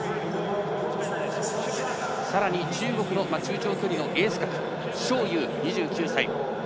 さらに中国の中長距離のエース格章勇、２９歳。